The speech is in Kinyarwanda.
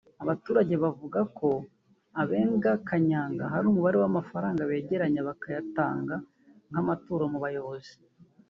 Abo baturage bavuga ko abenga Kanyanga hari umubare w’amafaranga begeranya bakayatanga nk’amaturo mu bayobozi